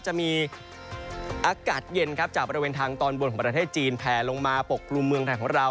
จะมีอากาศเย็นครับจากบริเวณทางตอนบนของประเทศจีนแผลลงมาปกกลุ่มเมืองไทยของเรา